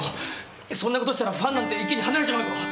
そんな事したらファンなんて一気に離れちまうぞ。